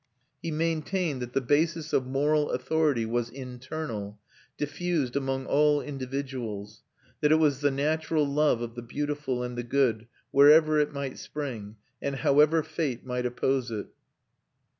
He maintained that the basis of moral authority was internal, diffused among all individuals; that it was the natural love of the beautiful and the good wherever it might spring, and however fate might oppose it.